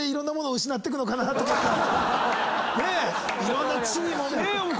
いろんな地位も名誉も。